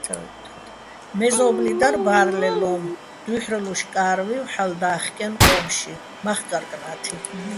მეზო́ბლი დარ ბა́რლეჼ ლო́უ̆მო̆ დუ́ჲჰ̦რელუშ კა́რვივ ჰ̦ალო̆ და́ხკენო̆ ყო́ნში, მახკარ-კნა́თი.